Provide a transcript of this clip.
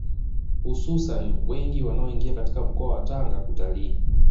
Hususani wageni wanaoingia katika mkoa wa Tanga kutalii